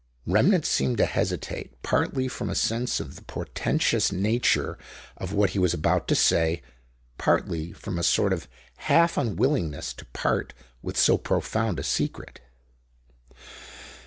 Remnant seemed to hesitate, partly from a sense of the portentous nature of what he was about to say, partly from a sort of half unwillingness to part with so profound a secret.